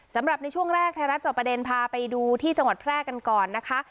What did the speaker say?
สำหรับในช่วงแรกไทยรัฐจอบประเด็นพาไปดูที่จังหวัดแพร่กันก่อนนะคะ